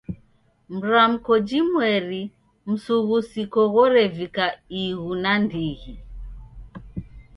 Mramko jimweri msughusiko ghorevika ighu nandighi.